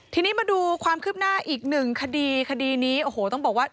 ทีนี้มาดูความคืบหน้าอีกหนึ่งคดีคดีนี้โอ้โหต้องบอกว่า